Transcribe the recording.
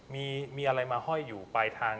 มีอะไรมาห้อยอยู่ปลายทาง